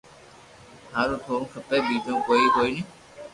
ھارو ٿوڙو کپي ٻيجو ڪوئي ڪوئي ني